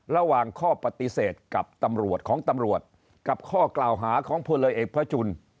ระหว่างข้อปฏิเสธกับตำรวจของตำรวจกับข้อกล่าวหาของพลเอกพระจุล